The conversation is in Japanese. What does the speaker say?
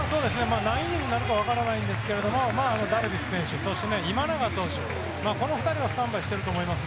何イニングになるか分かりませんがダルビッシュ投手今永投手の２人はスタンバイしていると思います。